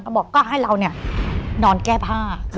พี่เล็กก็บอกก็ให้เรานอนแก้ผ้า